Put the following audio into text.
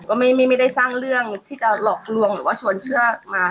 ก็ไม่ได้สร้างเรื่องที่จะหลอกลวงหรือว่าชวนเชื่อมา